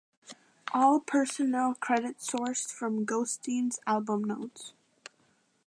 All personnel credits sourced from "Ghosteen"s album notes.